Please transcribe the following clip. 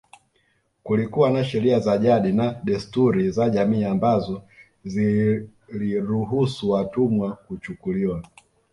Kulikuwa na sheria za jadi na desturi za jamii ambazo ziliruhusu watumwa kuchukuliwa